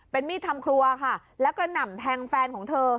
เป็นมีดทำครัวค่ะแล้วก็หนำแพงแฟนของเธอ